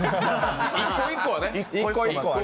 １個１個はね。